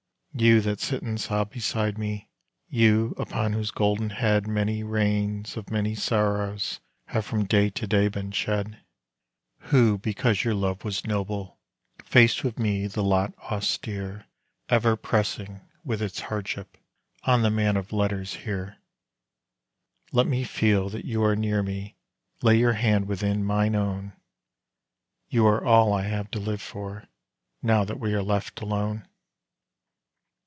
You that sit and sob beside me you, upon whose golden head Many rains of many sorrows have from day to day been shed; Who because your love was noble, faced with me the lot austere Ever pressing with its hardship on the man of letters here Let me feel that you are near me, lay your hand within mine own; You are all I have to live for, now that we are left alone.